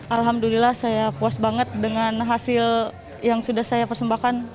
alhamdulillah saya puas banget dengan hasil yang sudah saya persembahkan